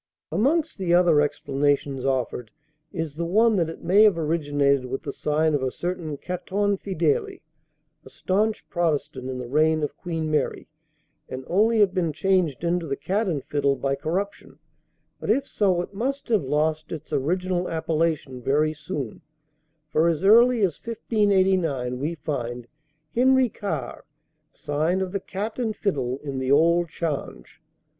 Amongst the other explanations offered is the one that it may have originated with the sign of a certain Caton Fidèle, a staunch Protestant in the reign of Queen Mary, and only have been changed into the cat and fiddle by corruption; but if so it must have lost its original appellation very soon, for as early as 1589 we find "Henry Carr, signe of the Catte and Fidle in the olde Chaunge."